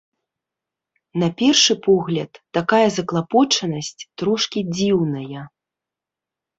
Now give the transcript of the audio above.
На першы погляд, такая заклапочанасць трошкі дзіўная.